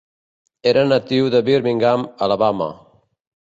Era natiu de Birmingham, Alabama.